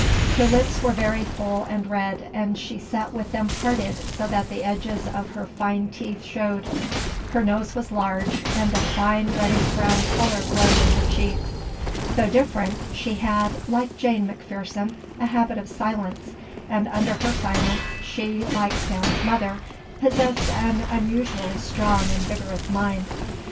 Her lips were very full and red, and she sat with them parted so that the edges of her fine teeth showed. Her nose was large, and a fine reddish brown colour glowed in her cheeks. Though different, she had, like Jane McPherson, a habit of silence; and under her silence, she, like Sam's mother, possessed an unusually strong and vigorous mind.